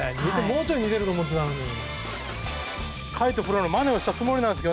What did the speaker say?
もうちょい似てると思ってたのに。